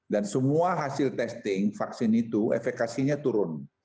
dan semua hasil testing vaksin itu efekasinya turun